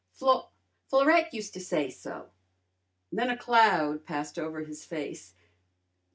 "Flo Florette used to say so." Then a cloud passed over his face.